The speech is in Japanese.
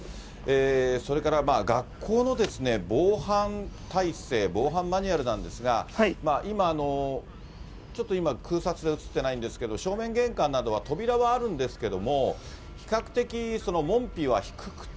それから学校の防犯体制、防犯マニュアルなんですが、今、ちょっと今、空撮で写ってないんですけれども、正面玄関などは扉はあるんですけども、比較的、門扉は低くて、